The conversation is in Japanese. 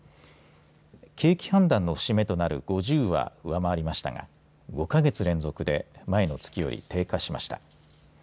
景気判断の節目となる５０は上回りましたが５か月連続で前の月より低下しました。